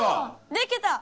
できた！